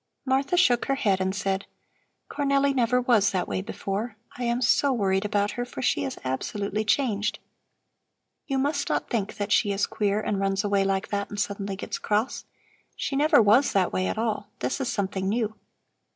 Martha shook her head and said: "Cornelli never was that way before. I am so worried about her, for she is absolutely changed. You must not think that she is queer and runs away like that and suddenly gets cross. She never was that way at all; this is something new.